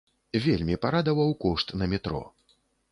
Вельмі парадаваў кошт на метро.